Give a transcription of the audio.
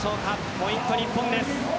ポイント、日本です。